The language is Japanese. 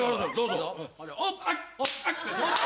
どうぞ。